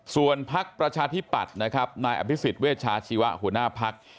ส่วนพักประชาธิปัตย์นะครับนายอภิษฎเวชาชีวะหัวหน้าพัก